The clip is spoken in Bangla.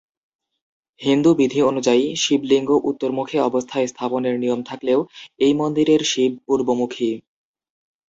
হিন্দু বিধি অনুযায়ী, শিবলিঙ্গ উত্তরমুখী অবস্থায় স্থাপনের নিয়ম থাকলেও এই মন্দিরের শিব পূর্বমুখী।